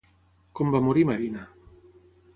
Com va morir Marina?